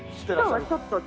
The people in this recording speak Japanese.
今日はちょっと。